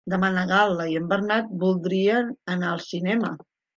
Demà na Gal·la i en Bernat voldria anar al cinema.